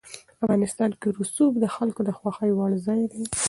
افغانستان کې رسوب د خلکو د خوښې وړ ځای دی.